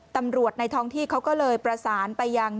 ในท้องที่เขาก็เลยประสานไปยัง